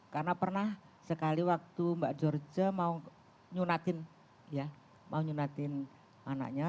karena pernah sekali waktu mbak georgia mau nyunatin anaknya